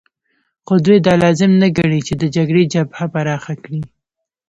خو دوی دا لازم نه ګڼي چې د جګړې جبهه پراخه کړي